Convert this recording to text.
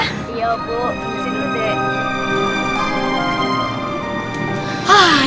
terima kasih dulu dek